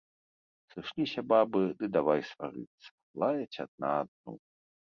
Сышліся бабы ды давай сварыцца, лаяць адна адну.